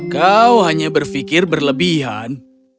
kau hanya berpikir berlebihan